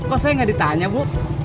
kok saya nggak ditanya bu